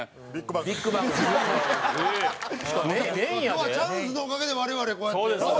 今日はチャンスのおかげで我々こうやって。